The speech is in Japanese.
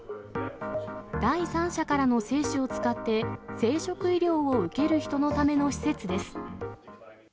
第三者からの精子を使って、生殖医療を受ける人のための施設です。